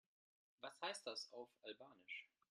Was heißt das auf Albanisch?